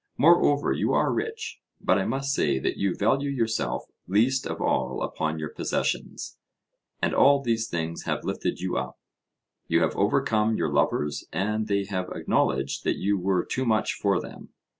Moreover, you are rich; but I must say that you value yourself least of all upon your possessions. And all these things have lifted you up; you have overcome your lovers, and they have acknowledged that you were too much for them.